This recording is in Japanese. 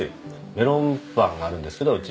メロンパンがあるんですけどうち